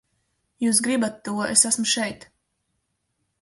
Jūs gribat to, es esmu šeit!